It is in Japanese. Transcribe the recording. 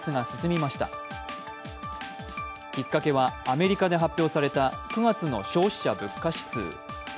きっかけはアメリカで発表された９月の消費者物価指数。